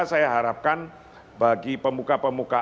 saya harapkan bagi pemuka pemuka